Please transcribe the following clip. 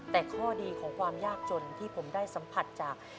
แต่ข้อดีของความยากจนที่ผมได้สัมผัสจาก